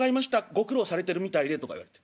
ご苦労されてるみたいで」とか言われて。